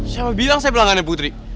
siapa bilang saya pelanggannya putri